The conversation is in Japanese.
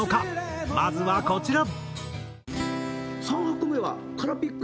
まずはこちら。